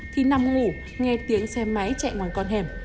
thì nằm ngủ nghe tiếng xe máy chạy ngoài con hẻm